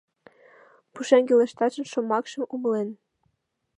Пушеҥге лышташын шомакшым умлен